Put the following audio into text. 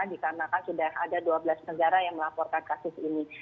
dikarenakan sudah ada dua belas negara yang melaporkan kasus ini